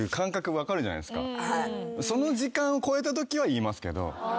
その時間を超えたときは言いますけど。